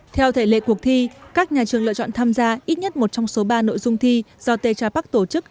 theo thể lệ cuộc thi các nhà trường lựa chọn tham gia ít nhất một trong số ba nội dung thi do tê tra park tổ chức